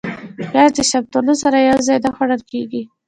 پیاز د شفتالو سره یو ځای نه خوړل کېږي